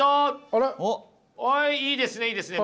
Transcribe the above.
あっいいですねいいですね。